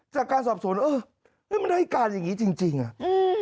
จากการสอบสนเออนี่มันได้การอย่างนี้จริงอ่ะ